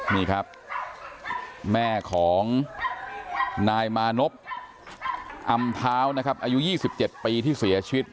นี่ครับแม่ของนายมานพอำพร้าวนะครับอายุยี่สิบเจ็ดปีที่เสียชีวิต